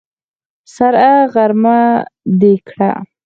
سره غرمه دې کړه!